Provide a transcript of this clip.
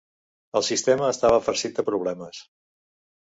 El sistema estava farcit de problemes.